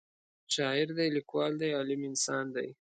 شاعر دی لیکوال دی عالم انسان دی